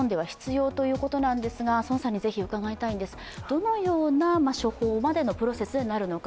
どのような処方までのプロセスでなるのか。